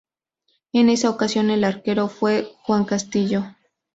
En esa ocasión el arquero fue Juan Castillo.